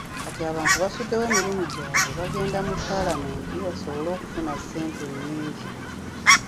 Kati abantu basuddewo emirimu gyabwe bagende mu Paalamenti basobole okufuna ssente ennyingi.